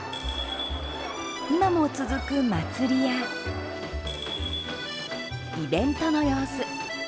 今も続く祭りや、イベントの様子。